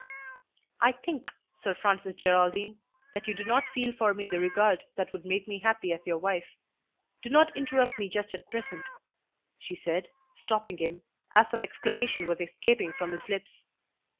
"I think, Sir Francis Geraldine, that you do not feel for me the regard that would make me happy as your wife. Do not interrupt me just at present," she said, stopping him, as some exclamation was escaping from his lips.